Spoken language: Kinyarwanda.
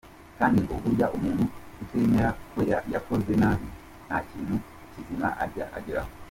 kandi ngo burya umuntu utemera ko yakoze nabi nta kintu kizima ajya ageraho.